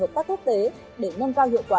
hợp tác quốc tế để nâng cao hiệu quả